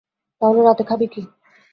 তাহলে রাতে খাবি কি?